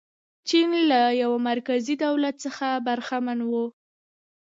چین له یوه مرکزي دولت څخه برخمن و.